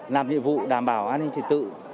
làm nhiệm vụ đảm bảo an ninh trị tự